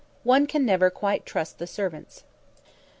One can never quite trust the servants."